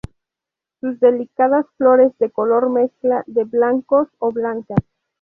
Sus delicadas flores de color mezcla de blancos o blanca.